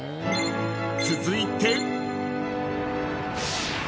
続いて。